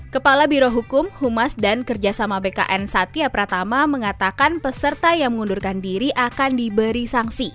kepala birohukum humas dan kerjasama bkn satya pratama mengatakan peserta yang mengundurkan diri akan diberi sanksi